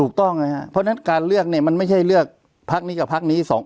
ถูกต้องนะครับเพราะฉะนั้นการเลือกเนี่ยมันไม่ใช่เลือกพักนี้กับพักนี้